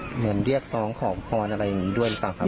เรียกร้องขอพรอะไรอย่างนี้ด้วยหรือเปล่าครับ